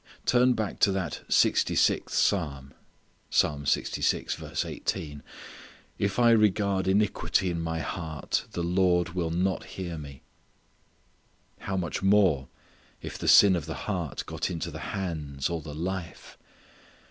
Turn back to that sixty sixth Psalm "if I regard iniquity in my heart the Lord will not hear me." How much more if the sin of the heart get into the hands or the life!